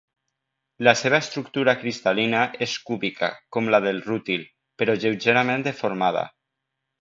La seva estructura cristal·lina és cúbica com la del rútil, però lleugerament deformada.